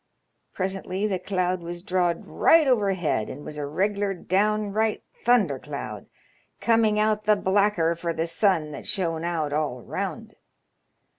Presently the cloud was drawed right overhead, and was a regular downright thunder cloud, coming out the blacker for the sun that shone out all round.